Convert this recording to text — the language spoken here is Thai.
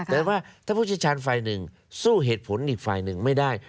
แต่ว่าถ้าผู้เชี่ยวชาญฝ่ายหนึ่งสู้เหตุผลอีกฝ่ายหนึ่งไม่ได้